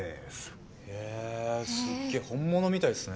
えすっげ本物みたいですね。